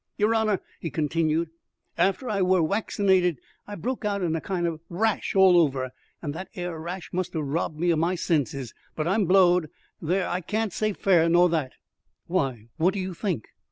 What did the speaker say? Yer honour," he continued, "after I wur waccinated I broke out in a kind of rash all over, and that 'ere rash must have robbed me of my senses; but I'm blowed There, I can't say fairer nor that." "Why, what do you think?"